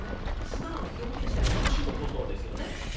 素直に表現したり楽しむことですよね。